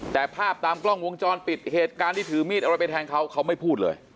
แต่ภาพตามกล้องวงจรปิดเหตุการณ์ที่ถือมีดอะไรไปแทงเขาเขาไม่พูดเลย